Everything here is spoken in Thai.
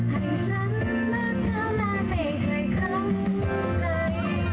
โดนเป็นสะเพียงความไว้ตัวเอากลับไปจะได้เก็บกับสาร